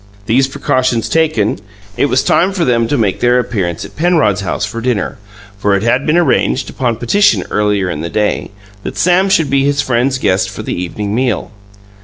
These precautions taken, it was time for them to make their appearance at Penrod's house for dinner, for it had been arranged, upon petition earlier in the day, that Sam should be his friend's guest for the evening meal.